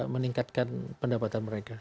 meningkatkan pendapatan mereka